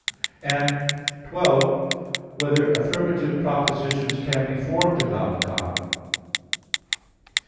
(12) Whether affirmative propositions can be formed about God?